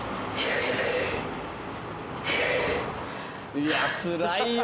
いやつらいよ